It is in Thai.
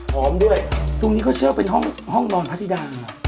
พร้อมด้วยตรงนี้เขาเชื่อว่าเป็นห้องนอนพระธิดา